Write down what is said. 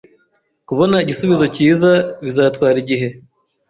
Kubona igisubizo cyiza bizatwara igihe